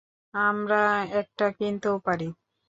আমরা একটা কিনতেও পারি।